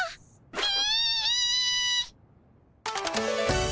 ピ。